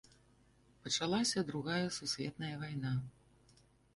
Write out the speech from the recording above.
Пачалася другая сусветная вайна.